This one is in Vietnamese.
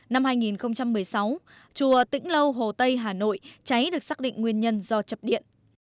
năm hai nghìn một mươi sáu chùa tĩnh lâu hồ tây hà nội cháy được xác định nguyên nhân do chập điện